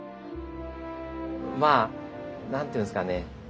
まあ何て言うんですかね